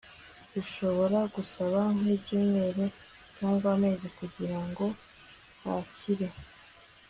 bishobora gusaba nk ibyumweru cyangwa amezi kugira ngo akire